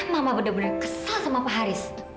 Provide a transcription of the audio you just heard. mama bener bener kesal sama pak haris